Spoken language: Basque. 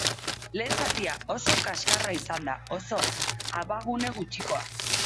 Lehen zatia oso kaskarra izan da, oso abagune gutxikoa.